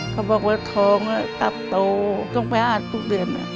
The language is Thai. เขาบอกว่าท้องตับโตต้องไปอาจทุกเดือน